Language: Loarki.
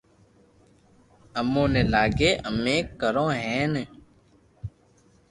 امو ني لاگي امي ڪرو ھين